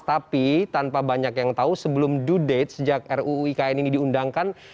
tapi tanpa banyak yang tahu sebelum due date sejak ruu ikn ini diundangkan